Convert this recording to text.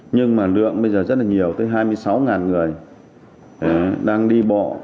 nhưng mà lượng bây giờ rất là nhiều tới hai mươi sáu người đang đi bộ